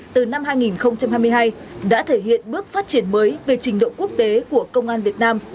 từ năm hai nghìn hai mươi hai đã thể hiện bước phát triển mới về trình độ quốc tế của công an việt nam